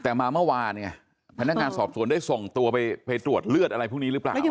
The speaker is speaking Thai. แต่มาเมื่อวานเนี่ยพนักงานสอบสวนได้ส่งตัวไปตรวจเลือดอะไรพวกนี้หรือเปล่า